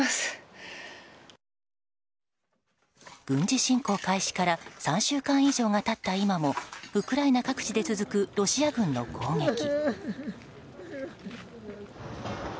軍事侵攻開始から３週間以上が経った今もウクライナ各地で続くロシア軍の攻撃。